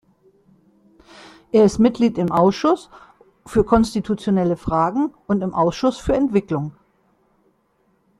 Er ist Mitglied im Ausschuss für konstitutionelle Fragen und im Ausschuss für Entwicklung.